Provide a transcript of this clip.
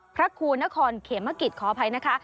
พระครูนครเขมกิจขออภัยนะคะ